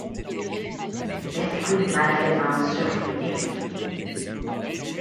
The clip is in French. L'esprit malfaisant survit ainsi.